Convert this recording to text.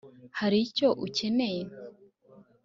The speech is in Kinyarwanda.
hari icyo ukeneye